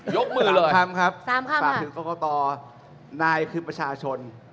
ยกมือเลยทำครับฝากถึงกรกตนายคือประชาชน